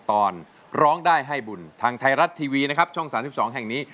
ตอนร้องได้ให้บุญทางไทยรัฐทีวีนะครับช่อง๓๒แห่งนี้